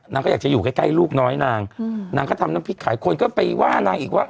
นางก็อยากจะอยู่ใกล้ใกล้ลูกน้อยนางนางก็ทำน้ำพริกขายคนก็ไปว่านางอีกว่า